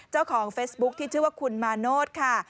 เจ้าของเฟซบุ๊คที่ชื่อว่าคุณมาโนธค่ะ